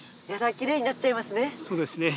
きれいになっちゃいますね。